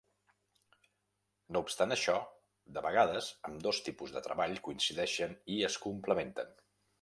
No obstant això, de vegades ambdós tipus de treball coincideixen i es complementen.